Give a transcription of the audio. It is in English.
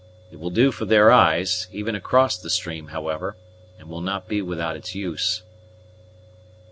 It will do for their eyes, even across the stream, however, and will not be without its use."